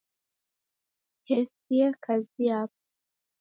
Hesie kazi yapo